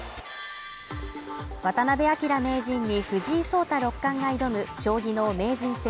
渡辺明名人に藤井聡太六冠が挑む将棋の名人戦